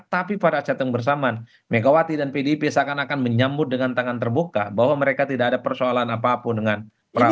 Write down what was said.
tapi pada saat yang bersamaan megawati dan pdip seakan akan menyambut dengan tangan terbuka bahwa mereka tidak ada persoalan apapun dengan prabowo